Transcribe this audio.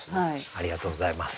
ありがとうございます。